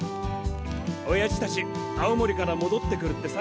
おやじたち青森からもどってくるってさ。